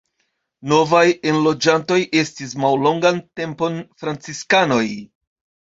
Novaj enloĝantoj estis mallongan tempon franciskanoj.